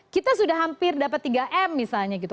kita sudah hampir dapat tiga m misalnya gitu